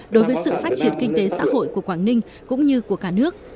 đối với sự phát triển kinh tế xã hội của quảng ninh cũng như của cả nước